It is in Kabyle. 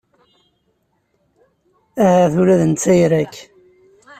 Ahat ula d netta ira-k.